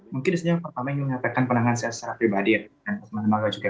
mungkin yang pertama yang menyatakan penanganan saya secara pribadi dan semangat juga